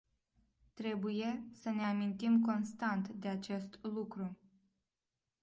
Trebuie să ne amintim constant de acest lucru.